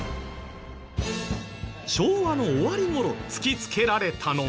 昭和の終わり頃突きつけられたのは。